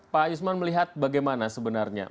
pak yusman melihat bagaimana sebenarnya